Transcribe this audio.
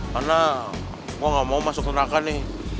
karena gue gak mau masuk ke neraka nih